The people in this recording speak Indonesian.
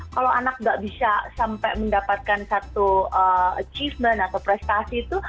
kalau anak nggak bisa sampai mendapatkan satu achievement atau prestasi itu